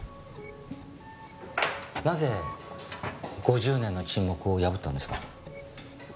なぜ５０年の沈黙を破ったんですか？